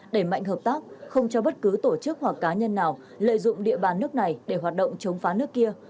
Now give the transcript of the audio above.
đẩy mạnh hợp tác không cho bất cứ tổ chức hoặc cá nhân nào lợi dụng địa bàn nước này để hoạt động chống phá nước kia